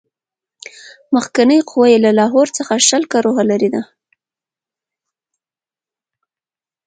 مخکنۍ قوه یې له لاهور څخه شل کروهه لیري ده.